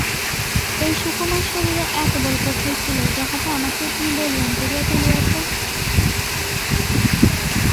ওই সুকুমার শরীরে এত বল কোথায় ছিল যাহাতে আমাকেও তুমি বলীয়ান করিয়া তুলিয়াছ?